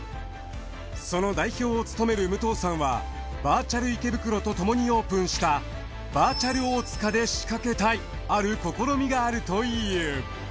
その代表を務める武藤さんはバーチャル池袋と共にオープンしたバーチャル大塚で仕掛けたいある試みがあるという。